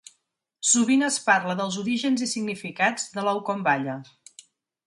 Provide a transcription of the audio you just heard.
Sovint es parla dels orígens i significats de l’ou com balla.